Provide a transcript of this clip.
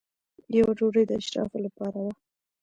یوه ډوډۍ د اشرافو لپاره وه.